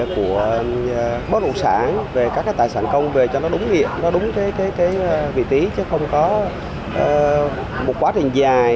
chứ không có một quá trình dài